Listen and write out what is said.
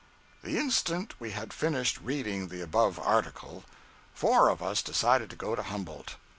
The instant we had finished reading the above article, four of us decided to go to Humboldt.